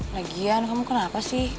lagian kamu kenapa sih